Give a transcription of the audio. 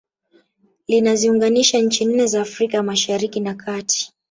Linaziunganisha nchi nne za Afrika ya Mashariki na Kati